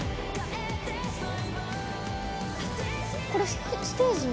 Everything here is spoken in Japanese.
これ、ステージに。